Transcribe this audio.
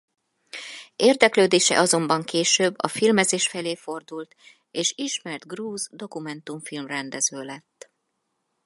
Érdeklődése azonban később a filmezés felé fordult és ismert grúz dokumentumfilm-rendező lett.